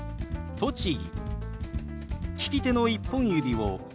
「栃木」。